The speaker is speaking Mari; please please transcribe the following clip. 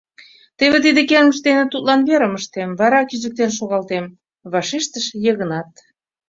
— Теве тиде кермыч дене тудлан верым ыштем, вара кӱзыктен шогалтем, — вашештыш Йыгнат.